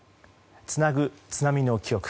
つなぐ津波の記憶。